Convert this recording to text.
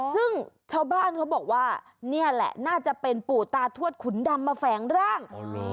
ซึ่งชาวบ้านเขาบอกว่านี่แหละน่าจะเป็นปู่ตาทวดขุนดำมาแฝงร่าง